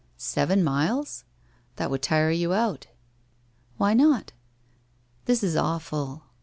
' Seven miles ? That would tire you out.' 'Why not?' ' This is awful.